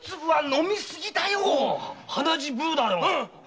鼻血ブーだよ！